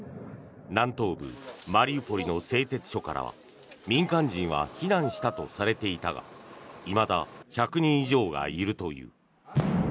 南東部マリウポリの製鉄所からは民間人は避難したとされていたがいまだ１００人以上がいるという。